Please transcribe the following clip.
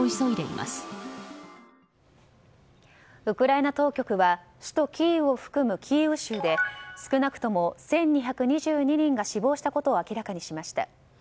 ウクライナ当局は首都キーウを含むキーウ州で少なくとも１２２２人が死亡したことを明らかにしました。